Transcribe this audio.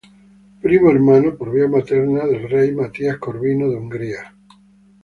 Primo hermano por vía materna del rey Matías Corvino de Hungría.